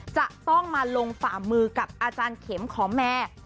จะต้องมาลงฝ่ามือกับอาจารย์เข็มขอแมร์